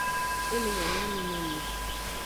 E le nyanyamenomi.